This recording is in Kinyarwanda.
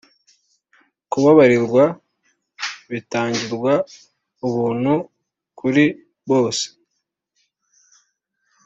kubabarirwa bitangirwa ubuntu kuri bose